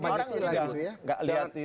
jadi orang tidak lihatacion